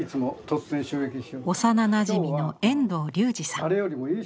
幼なじみの遠藤隆二さん。